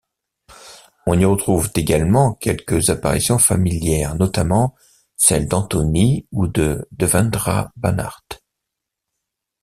On y retrouve également quelques apparitions familières, notamment celles d'Antony ou de Devendra Banhart.